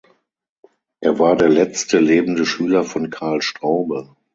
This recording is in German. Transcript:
Er war der letzte lebende Schüler von Karl Straube.